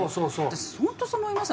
私本当そう思います。